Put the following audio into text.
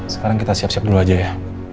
sekarang kita siap siap dulu aja ya